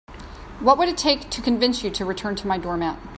What would it take to convince you to return my doormat?